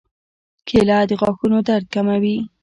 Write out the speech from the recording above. کېله د غاښونو درد کموي.